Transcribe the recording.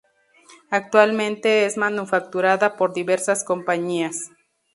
Actualmente es manufacturada por diversas compañías.